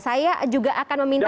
saya juga akan meminta